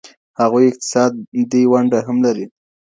هغوی اقتصادي ونډه هم لري.